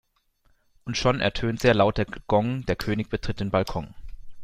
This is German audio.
Und schon ertönt sehr laut der Gong, der König betritt den Balkon.